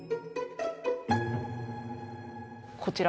こちら。